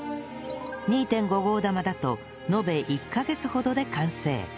２．５ 号玉だと延べ１カ月ほどで完成